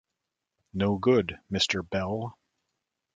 No good, Mr. Bell.